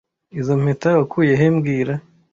Izoi mpeta wakuye he mbwira